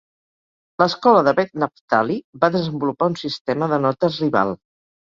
L'escola de Ben Naphtali va desenvolupar un sistema de notes rival.